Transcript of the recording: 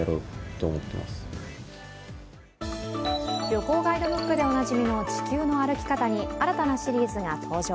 旅行ガイドブックでおなじみの「地球の歩き方」に新たなシリーズが登場。